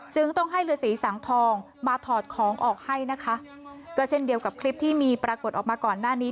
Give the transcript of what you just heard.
จึงต้องให้ฤษีสังทองมาถอดของออกให้นะคะก็เช่นเดียวกับคลิปที่มีปรากฏออกมาก่อนหน้านี้